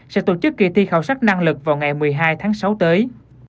sẽ tổ chức kỳ thi khảo sát năng lực vào ngày một mươi hai tháng sáu tới